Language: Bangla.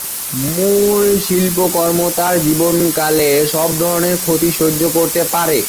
মূল শিল্পকর্ম তার জীবনকালে সব ধরনের ক্ষতি সহ্য করতে পারে।